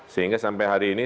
sehingga sampai hari ini